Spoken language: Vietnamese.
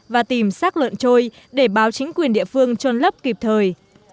và tìm sát lợn trôi để báo chính quyền địa phương trôn lấp kịp thời